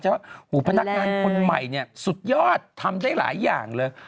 ว่าพนักงานคนใหม่เนี่ยสุดยอดทำได้หลายอย่างเลย